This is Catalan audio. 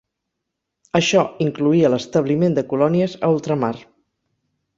Això incloïa l'establiment de colònies a ultramar.